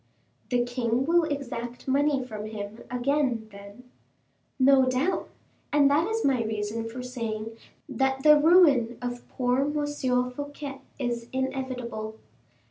"The king will exact money from him again, then?" "No doubt; and that is my reason for saying that the ruin of poor M. Fouquet is inevitable.